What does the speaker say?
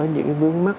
những vướng mắt